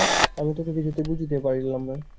আমি তো ওঁকে কিছুতেই বুঝিয়ে পারলেম না।